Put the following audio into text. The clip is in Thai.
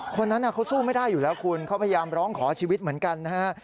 คนนั้นเขาสู้ไม่ได้อยู่แล้วคุณเขาพยายามร้องขอชีวิตเหมือนกันนะฮะ